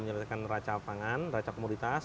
menyelesaikan raca pangan raca komoditas